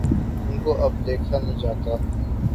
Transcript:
ان کو اب دیکھا نہیں جاتا۔